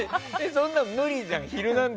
そんなん無理じゃん！